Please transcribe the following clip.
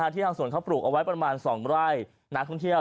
ทางสวนเขาปลูกเอาไว้ประมาณ๒ไร่นักท่องเที่ยว